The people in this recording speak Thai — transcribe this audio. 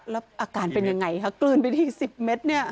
แล้วอาการเป็นยังไงคะกลืนไปที๑๐เมตรเนี่ย